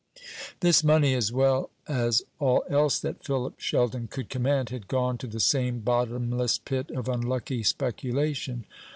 This money, as well as all else that Philip Sheldon could command, had gone to the same bottomless pit of unlucky speculation.